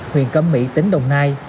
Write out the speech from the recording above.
huyện câm mỹ tỉnh đồng nai